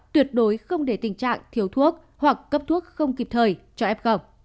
tuyệt đối không để tình trạng thiếu thuốc hoặc cấp thuốc không kịp thời cho f